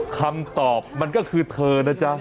คำตอบมันก็คือเธอนะจ๊ะ